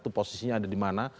itu posisinya ada di mana